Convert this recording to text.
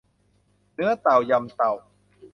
เนื้อเต่ายำเต่า